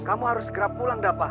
kamu harus gerak pulang dapa